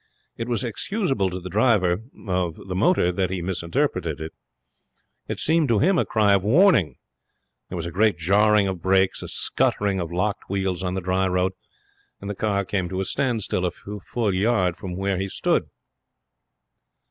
It was excusable to the driver of the motor that he misinterpreted it. It seemed to him a cry of warning. There was a great jarring of brakes, a scuttering of locked wheels on the dry road, and the car came to a standstill a full yard from where he stood.